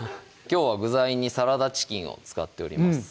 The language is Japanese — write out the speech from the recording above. きょうは具材にサラダチキンを使っております